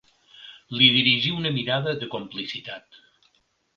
Li dirigí una mirada de complicitat.